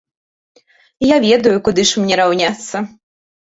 Я ведаю, куды ж мне раўняцца!